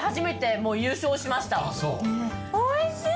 おいしい。